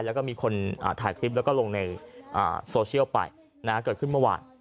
แล้วก็มีคนถ่ายคลิปแล้วก็ลงในโซเชียลไปเกิดขึ้นเมื่อวาน